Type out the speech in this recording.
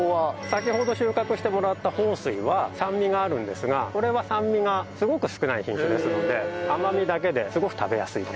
先ほど収穫してもらった豊水は酸味があるんですがこれは酸味がすごく少ない品種ですので甘みだけですごく食べやすいです。